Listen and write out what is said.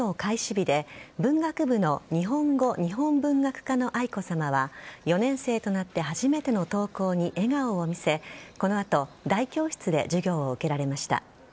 日で文学部の日本語日本文学科の愛子さまは４年生となって初めての登校に笑顔を見せこの後大教室で授業を受けられました。